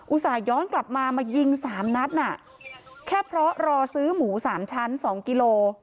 ส่าหย้อนกลับมามายิงสามนัดน่ะแค่เพราะรอซื้อหมูสามชั้นสองกิโล